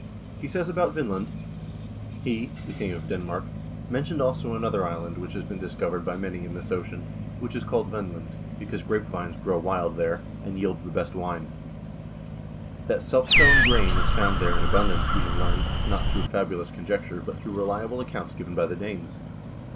He says about Vinland : xNansen, In Northern Mists, vol. I., p. 312. 206 HISTORY OF THE NORWEGIAN PEOPLE " He (the king of Denmark) mentioned also another island which has been discovered by many in this ocean, which is called Winland, because grapevines grow wild there, and yield the best wine. That self sown grain is found there in abundance, we have learned, not through fabulous conjecture, but through reliable accounts given by the Danes.